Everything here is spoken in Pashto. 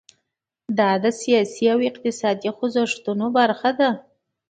دا د سیاسي او اقتصادي خوځښتونو برخه ده.